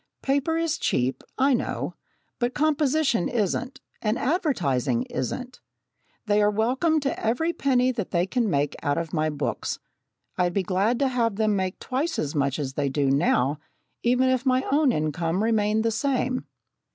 "Paper is cheap, I know, but composition isn't, and advertising isn't. They are welcome to every penny they can make out of my books. I'd be glad to have them make twice as much as they do now, even if my own income remained the same."